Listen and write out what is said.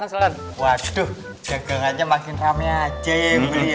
genggangannya makin rame aja ya yang beli ya